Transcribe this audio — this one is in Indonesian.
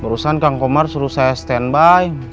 urusan kang komar suruh saya standby